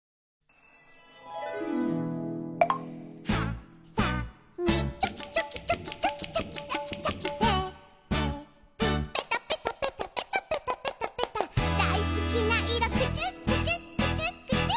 「はさみチョキチョキチョキチョキチョキチョキチョキ」「テープペタペタペタペタペタペタペタ」「だいすきないろクチュクチュクチュクチュ」